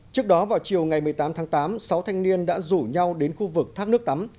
trước đó vào chiều ngày một mươi tám tháng tám sáu thanh niên đã rủ nhau đến khu vực thác nước tắm